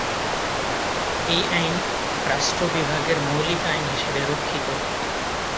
এই আইন রাষ্ট্র বিভাগের মৌলিক আইন হিসেবে রক্ষিত।